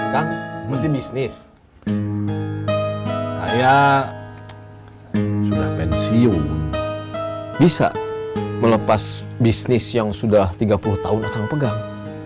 kang masih bisnis saya sudah pensiun bisa melepas bisnis yang sudah tiga puluh tahun akan pegang